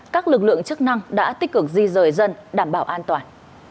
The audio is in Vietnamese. các lực lượng chức năng đã tích cực di rời dân đảm bảo an toàn